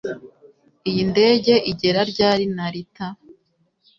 Iyi ndege igera ryari Narita